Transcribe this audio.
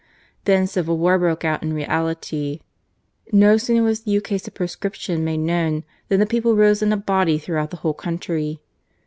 Then civil war broke out in reality. No sooner was the edict of proscription made known, than the people rose in a body throughout the whole country.